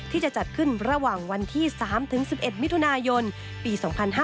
ที่จะจัดขึ้นระหว่างวันที่๓๑๑มิถุนายนปี๒๕๕๙